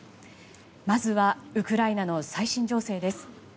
まずはウクライナの最新情勢です。